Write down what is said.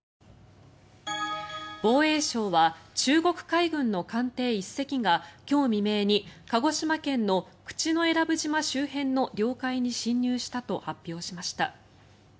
防衛省は中国海軍の艦艇１隻が今日未明に、鹿児島県の口永良部島周辺の領海に侵入したと発表しました。